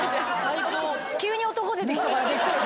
急に男出てきたからびっくり。